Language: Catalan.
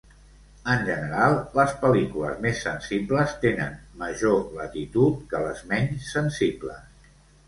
En general les pel·lícules més sensibles tenen major latitud que les menys sensibles.